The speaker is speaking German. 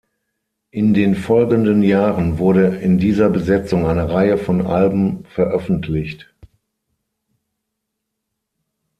In den folgenden Jahren wurde in dieser Besetzung eine Reihe von Alben veröffentlicht.